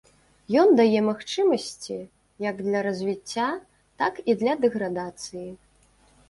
Ён дае магчымасці як для развіцця, так і для дэградацыі.